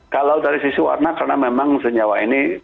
kalau dari sisi warna karena memang senyawa ini